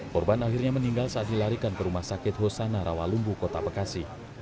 korban akhirnya meninggal saat dilarikan ke rumah sakit hosana rawalumbu kota bekasi